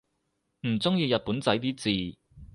唔中意日本仔啲字